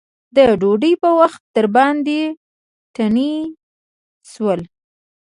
د ډوډۍ په وخت درباندې تڼۍ شلوي.